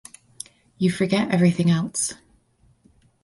You forget everything else.